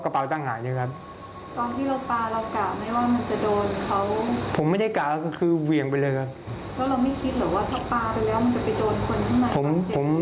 ผมไม่ได้กะคือเวียงไปเลยครับ